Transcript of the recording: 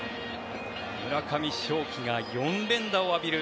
村上頌樹が４連打を浴びる。